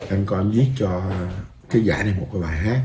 anh coi anh viết cho cái giải này một bài hát